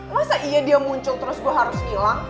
masa iya dia muncul terus gue harus hilang